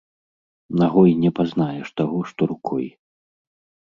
Нагой не пазнаеш таго, што рукой.